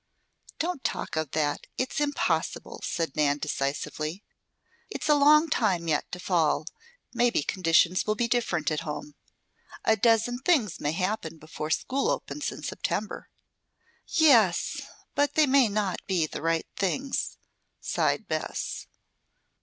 "Don't talk of that. It's impossible," said Nan decisively. "It's a long time yet to fall. Maybe conditions will be different at home. A dozen things may happen before school opens in September." "Yes! But they may not be the right things," sighed Bess.